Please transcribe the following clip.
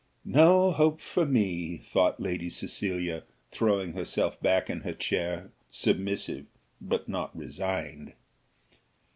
"No hope for me," thought Lady Cecilia, throwing herself back in her chair, submissive, but not resigned.